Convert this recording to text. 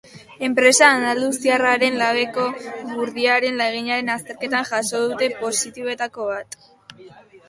Enpresa andaluziarraren labeko gurdiaren laginaren azterketan jaso dute positiboetako bat.